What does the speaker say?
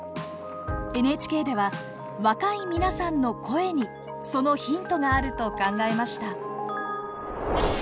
ＮＨＫでは若い皆さんの声にそのヒントがあると考えました。